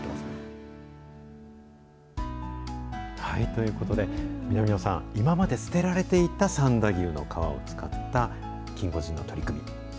ということで、南野さん、今まで捨てられていた三田牛の皮を使ったキンゴジンの取り組み。